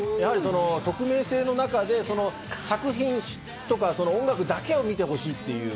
匿名性の中で作品とか音楽だけを見てほしいという。